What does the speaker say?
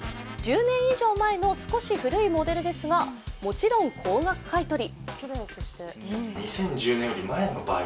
１０年以上前の少し古いモデルですがもちろん高額買い取り。